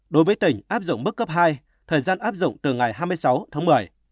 đối với tỉnh áp dụng mức cấp hai thời gian áp dụng từ ngày hai mươi sáu tháng một mươi